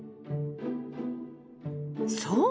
そう！